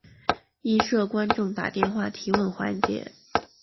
亦设观众打电话提问环节。